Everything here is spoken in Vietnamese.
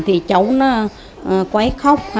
thì cháu nó quấy khóc